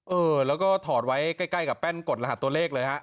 เออแล้วก็ถอดไว้ใกล้กับแป้นกดรหัสตัวเลขเลยฮะ